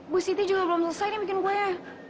bu siti juga belum selesai nih bikin kue